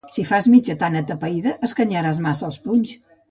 Si fas la mitja tan atapeïda, escanyaràs massa els punys.